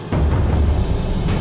tidak ada satu